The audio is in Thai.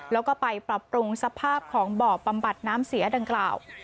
แล้วก็ไปปรับปรุงสภาพของบ่อบำบัดน้ำเสียดังกล่าว